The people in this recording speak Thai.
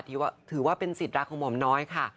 ถือว่าเป็นสิทธิ์รักของหม่อมน้อยค่ะ